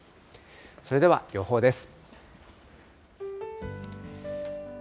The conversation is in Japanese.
それでは予報です。